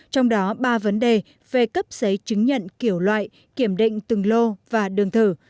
trong đó ba vấn đề về cấp giấy chứng nhận kiểu loại kiểm định từng lô và đường thử